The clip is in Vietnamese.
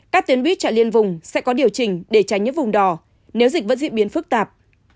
các tuyến buýt chạy liên vùng sẽ có điều chỉnh để tránh những vùng đò nếu dịch vẫn diễn biến phức tạp